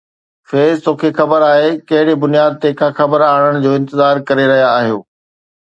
فيض، توکي خبر آهي، ڪهڙي بنياد تي ڪا خبر آڻڻ جو انتظار ڪري رهيا آهيو؟